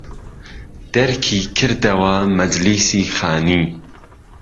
دەرکی کردهوه مهجلیسی خانی